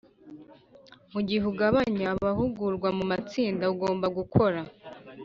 Mu gihe ugabanya abahugurwa mu matsinda ugomba gukora